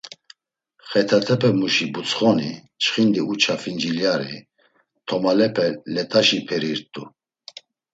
Xetatepemuşi butsxoni, çxindi uça fincilyari, tomalepe let̆aşiperirt̆u.